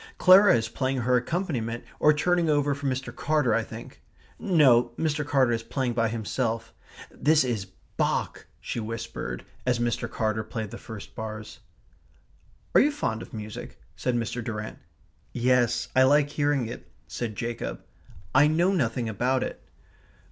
Clara is playing her accompaniment or turning over for Mr. Carter, I think. No, Mr. Carter is playing by himself This is BACH," she whispered, as Mr. Carter played the first bars. "Are you fond of music?" said Mr. Durrant. "Yes. I like hearing it," said Jacob. "I know nothing about it."